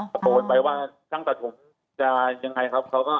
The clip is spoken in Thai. โต่นไปว่าช่างตาทมจะว่ายังไงครับเขาก็เงียบ